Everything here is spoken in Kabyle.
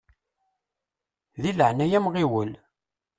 Di leɛnaya-m ɣiwel!